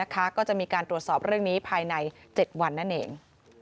ก็จะมีการตรวจสอบเรื่องนี้ภายใน๗วันนั่นเอง